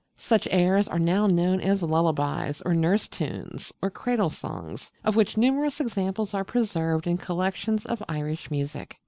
Such airs are now known as lullabies, or nurse tunes, or cradle songs, of which numerous examples are preserved in collections of Irish music.